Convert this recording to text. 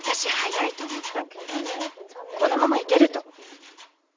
このままいけると。